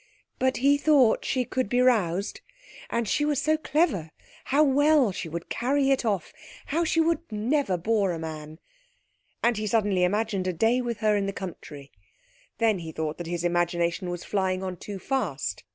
But he thought she could be roused. And she was so clever. How well she would carry it off! How she would never bore a man! And he suddenly imagined a day with her in the country.... Then he thought that his imagination was flying on far too fast.